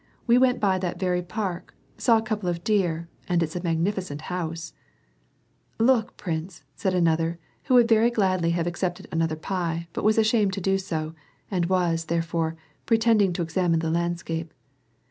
We went by that very park, saw a couple of deer — and it's a mag nificent house !"" Look, prince," said another, who would very gladly have accepted another pie, but was ashamed to do so, and was, tliere fore, pretending to examine the landscape.